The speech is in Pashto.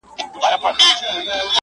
• کوم څراغ چي روښنایي له پردو راوړي,